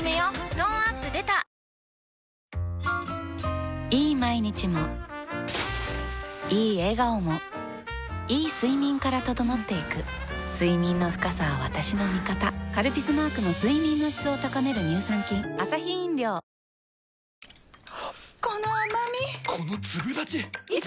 トーンアップ出たいい毎日もいい笑顔もいい睡眠から整っていく睡眠の深さは私の味方「カルピス」マークの睡眠の質を高める乳酸菌「どん兵衛」に袋麺が出た